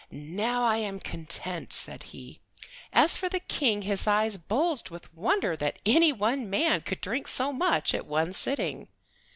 "Now I am content," said he. As for the King his eyes bulged with wonder that any one man could drink so much at one sitting.